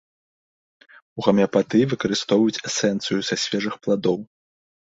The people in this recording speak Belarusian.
У гамеапатыі выкарыстоўваюць эсэнцыю са свежых пладоў.